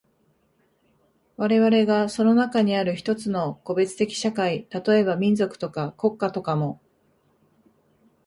我々がその中にある一つの個別的社会、例えば民族とか国家とかも、